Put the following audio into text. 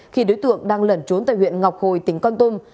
khi đối tượng đang lẩn trốn tại huyện ngọc hồi tỉnh con tum